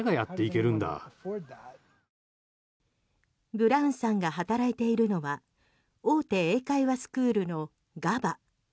ブラウンさんが働いているのは大手英会話スクールのＧａｂａ。